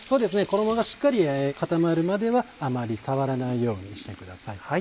衣がしっかり固まるまではあまり触らないようにしてください。